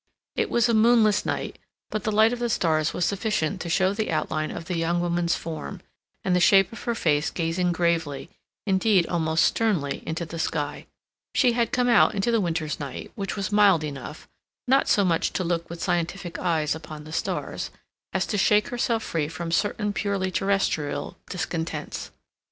It was a moonless night, but the light of the stars was sufficient to show the outline of the young woman's form, and the shape of her face gazing gravely, indeed almost sternly, into the sky. She had come out into the winter's night, which was mild enough, not so much to look with scientific eyes upon the stars, as to shake herself free from certain purely terrestrial discontents.